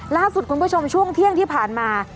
ล่าสุดคุณผู้ชมช่วงเที่ยงที่ผ่านมา